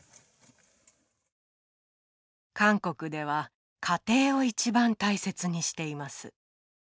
「韓国では家庭を一番大切にしています」